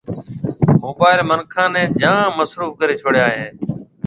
موبائل منکان نيَ جام مصروف ڪرَي ڇوڙيا ھيََََ